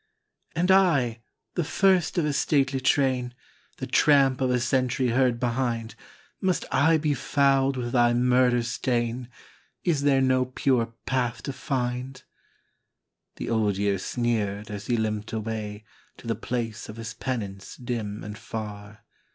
" And I, the first of a stately train, The tramp of a century heard behind, Must I be fouled with thy murder stain? Is there no pure path to find? " The Old Year sneered as he limped away To the place of his penance dim and far.